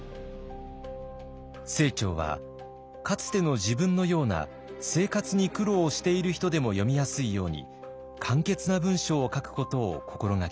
清張はかつての自分のような生活に苦労をしている人でも読みやすいように簡潔な文章を書くことを心掛けました。